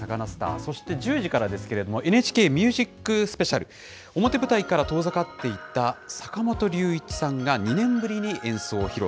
そして１０時からですけれども、ＮＨＫＭＵＳＩＣＳＰＥＣＩＡＬ、表舞台から遠ざかっていた坂本龍一さんが２年ぶりに演奏を披露。